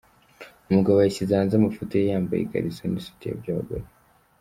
Umugabo yashyize hanze amafoto ye yambaye ikariso n’isutiya by’abagore.